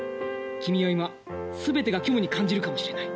君は今全てが虚無に感じるかもしれない。